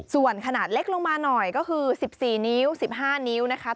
ส่วนขนาดเล็กลงมาหน่อยก็คือ๑๔นิ้ว๑๕นิ้วนะคะ